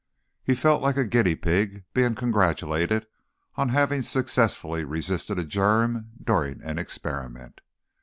He felt like a guinea pig being congratulated on having successfully resisted a germ during an experiment.